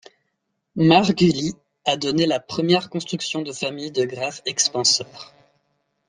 Margulis a donné la première construction de familles de graphes expanseurs.